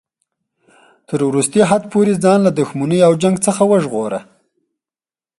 تر وروستي حد پورې ځان له دښمنۍ او جنګ څخه ژغوره.